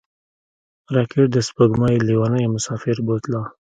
راکټ د سپوږمۍ لومړنی مسافر بوتله